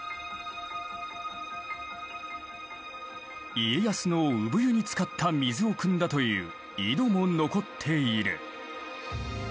家康の産湯に使った水をくんだという井戸も残っている。